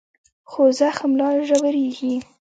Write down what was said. خو زخم لا ژورېږي.